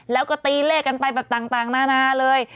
แล้วก็ตีเลขกันไปแบบต่างนานาเลย